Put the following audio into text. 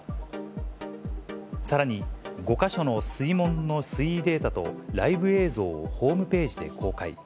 さらに５か所の水門の水位データと、ライブ映像をホームページで公開。